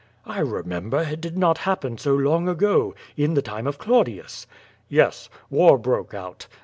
"I remember, it did not happen so long ago— in the time of Claudius." "Yes. War broke out.